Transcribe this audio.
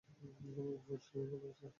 এবং পোস্টিংও প্রথম স্যার।